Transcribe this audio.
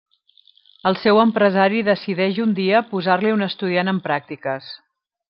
El seu empresari decideix un dia posar-li un estudiant en pràctiques.